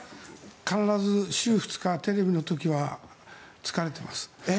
必ず週２日、テレビの時は疲れています。